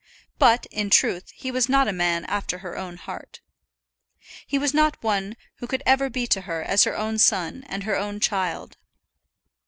But, in truth, he was not a man after her own heart. He was not one who could ever be to her as her own son and her own child.